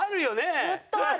ずっとある！